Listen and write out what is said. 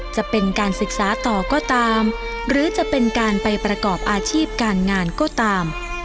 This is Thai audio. จะเป็นการศึกษาต่อก็ตามหรือจะเป็นการไปประกอบอาชีพการงานก็ตาม